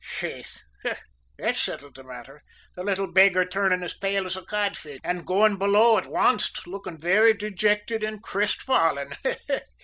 Faith, that sittled the matther, the little beggar turnin' as pale as a codfish and goin' below at onst, lookin' very dejecthed an' crestfallin.